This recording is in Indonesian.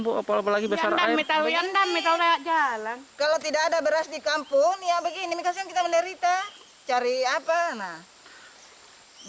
bu apalagi besar anak kalau tidak ada beras di kampung yang begini kita menderita care ji seratus